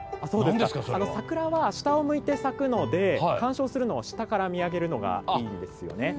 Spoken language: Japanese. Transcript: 桜は、下を向いて咲くので鑑賞するのは下から見上げるのがいいんですよね。